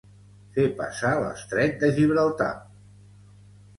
Fer passar l'estret de Gibraltar.